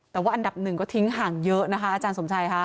แต่ว่าอันดับหนึ่งก็ทิ้งห่างเยอะนะคะอาจารย์สมชัยค่ะ